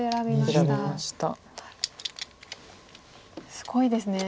すごいですね。